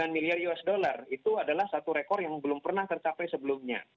sembilan miliar usd itu adalah satu rekor yang belum pernah tercapai sebelumnya